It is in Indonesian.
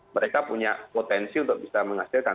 mereka punya potensi untuk bisa menghasilkan